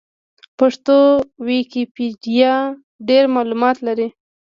پښتو ويکيپېډيا ډېر معلومات لري.